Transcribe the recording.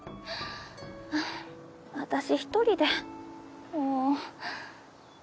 はぁ私一人でもう。